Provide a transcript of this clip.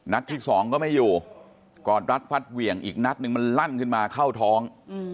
นัดที่๒ก็ไม่อยู่ก่อนรัฐฟัสเวียงอีกนัดหนึ่งมันลั่นขึ้นมาเข้าท้อง